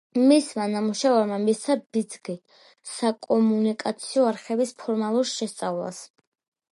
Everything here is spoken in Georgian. მისმა ნამუშევარმა მისცა ბიძგი საკომუნიკაციო არხების ფორმალურ შესწავლას.